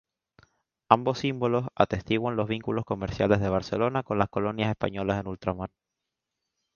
Ambos símbolos atestiguan los vínculos comerciales de Barcelona con las colonias españolas en ultramar.